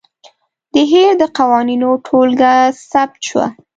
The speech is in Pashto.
د هیر د قوانینو ټولګه ثبت شوه.